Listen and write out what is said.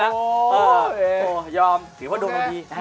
ขอดูโอเคหรือถือว่าโดนที